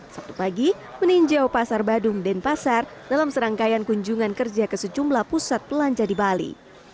sabtu pagi meninjau pasar badung dan pasar dalam serangkaian kunjungan kerja ke sejumlah pusat belanja di bali